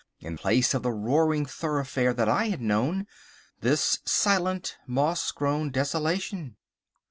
In place of the roaring thoroughfare that I had known, this silent, moss grown desolation.